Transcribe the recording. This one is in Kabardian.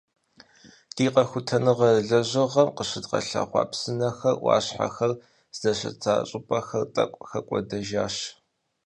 Ди къэхутэныгъэ лэжьыгъэм къыщыдгъэлъэгъуа псынэхэр, ӏуащхьэхэр здэщыта щӏыпӏэхэр тӏэкӏу хэкӏуэдэжащ.